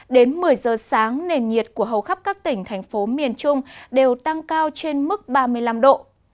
đến một mươi giờ sáng nền nhiệt của hầu khắp các tỉnh thành phố miền trung đều tăng cao trên mức ba mươi năm độ